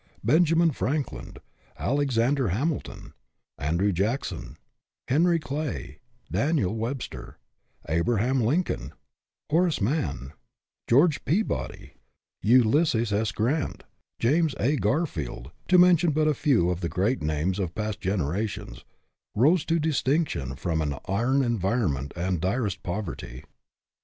Benjamin Franklin, Alexander Hamilton, Andrew Jackson, Henry Clay, Daniel Webster, Abraham Lincoln, Horace Mann, George Peabody, Ulysses S. Grant, GETTING AWAY FROM POVERTY 239 James A. Garfield to mention but a few of the great names of past generations rose to distinction from an iron environment and direst poverty.